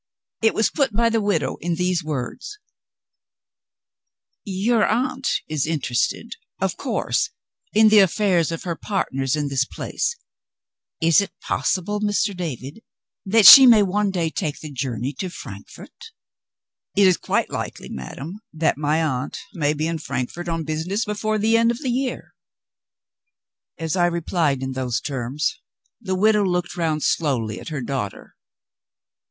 It was put by the widow in these words: "Your aunt is interested, of course, in the affairs of her partners in this place. Is it possible, Mr. David, that she may one day take the journey to Frankfort?" "It is quite likely, madam, that my aunt may be in Frankfort on business before the end of the year." As I replied in those terms the widow looked round slowly at her daughter.